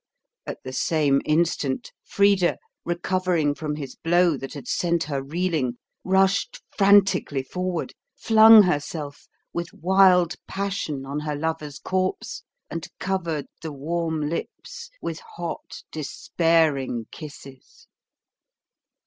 At the same instant, Frida, recovering from his blow that had sent her reeling, rushed frantically forward, flung herself with wild passion on her lover's corpse, and covered the warm lips with hot, despairing kisses.